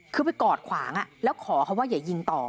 คือไปกอดขวางแล้วขอเขาว่าอย่ายิงต่อ